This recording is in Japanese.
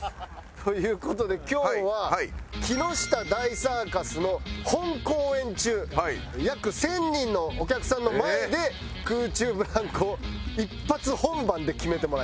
という事で今日は木下大サーカスの本公演中約１０００人のお客さんの前で空中ブランコを一発本番で決めてもらいます。